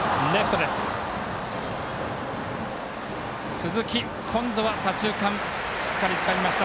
鈴木、今度は左中間しっかりつかみました。